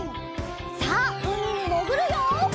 さあうみにもぐるよ！